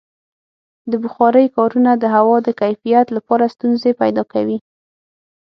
د بخارۍ کارونه د هوا د کیفیت لپاره ستونزې پیدا کوي.